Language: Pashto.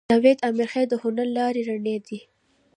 جاوید امیرخېل د هنر لارې رڼې دي